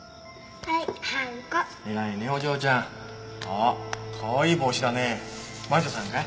あっかわいい帽子だね。